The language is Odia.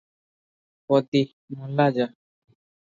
ପଦୀ - ମଲା ଯା!